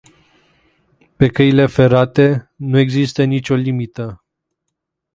Pe căile ferate, nu există nicio limită.